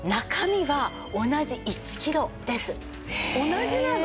同じなの？